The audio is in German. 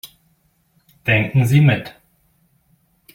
Denken Sie mit.